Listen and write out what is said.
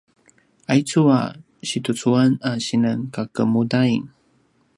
aicu a situcuan a sinan kakemudain